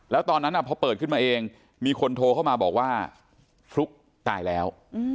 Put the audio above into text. แล้วตอนนั้นพอเปิดขึ้นมาเองมีคนโทรเข้ามาบอกว่าฟลุ๊กตายแล้ว